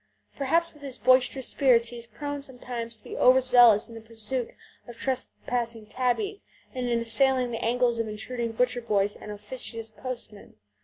Perhaps with his boisterous spirits he is prone sometimes to be over zealous in the pursuit of trespassing tabbies and in assailing the ankles of intruding butcher boys and officious postmen.